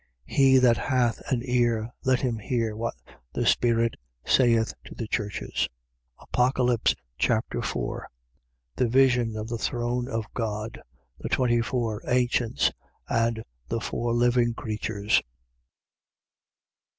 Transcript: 3:22. He that hath an ear, let him hear what the Spirit saith to the churches. Apocalypse Chapter 4 The vision of the throne of God, the twenty four ancients and the four living creatures.